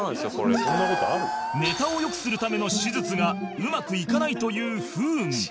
ネタを良くするための手術がうまくいかないという不運